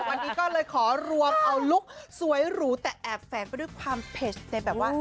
วันนี้ก็เลยขอรวมเอาลุคสวยหรูแต่แอบแฝงไปด้วยความเผ็ดในแบบว่า